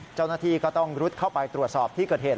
เจ้าหน้าที่ก็ต้องรุดเข้าไปตรวจสอบที่เกิดเหตุ